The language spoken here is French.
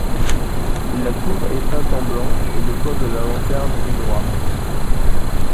La tour est peinte en blanc et le toit de la lanterne est noire.